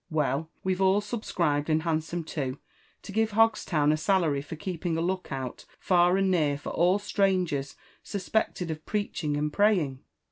Well, we've all subscribed and handsome too, to give Hogstown a salary for keeping a look out far and near for all strangers suspected of preaching and praying.